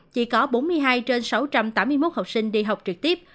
chỉ có bốn mươi hai trên sáu trăm tám mươi một học sinh đi học trực tiếp